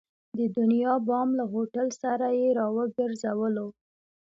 د دنیا بام له هوټل سره یې را وګرځولو.